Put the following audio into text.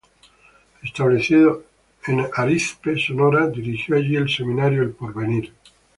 Establecido en Arizpe, Sonora, dirigió allí el seminario "El porvenir.